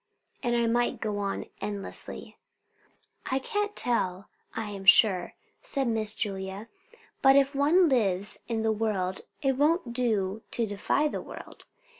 And I might go on endlessly." "I can't tell, I am sure," said Miss Julia; "but if one lives in the world, it won't do to defy the world.